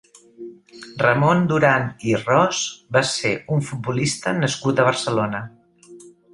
Ramon Duran i Ros va ser un futbolista nascut a Barcelona.